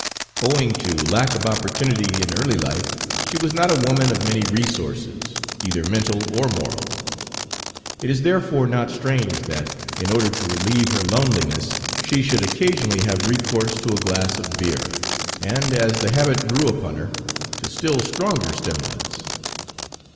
Owing to lack of opportunity in early life, she was not a woman of many resources, either mental or moral. It is therefore not strange that, in order to relieve her loneliness, she should occasionally have recourse to a glass of beer, and, as the habit grew upon her, to still stronger stimulants.